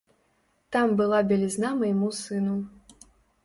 Там была бялізна майму сыну.